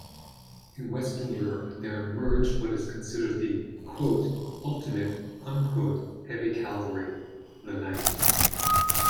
In western Europe there emerged what is considered the "ultimate" heavy cavalry, the knight.